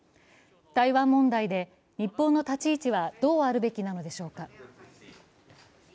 台湾問題で日本の立ち位置は、どうあるべきなのでしょうか。